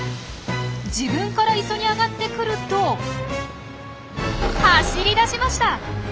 自分から磯に上がってくると走り出しました！